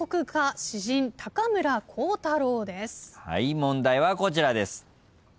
問題はこちらです。